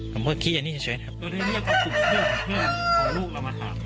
ผมเพิ่งคิดอย่างนี้เฉยครับ